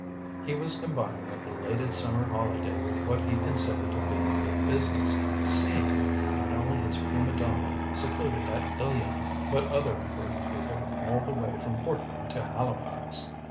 He was combining a belated summer holiday with what he considered to be good business, "seeing" not only his prima donna secluded at Ilion, but other important people all the way from Portland to Halifax.